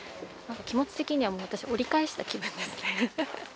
何か気持ち的にはもう私折り返した気分ですね。